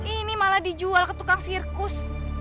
ini malah dijual ke tukang sirkus